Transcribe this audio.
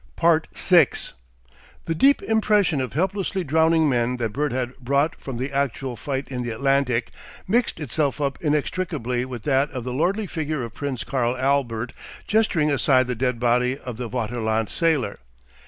6 The deep impression of helplessly drowning men that Bert had brought from the actual fight in the Atlantic mixed itself up inextricably with that of the lordly figure of Prince Karl Albert gesturing aside the dead body of the Vaterland sailor.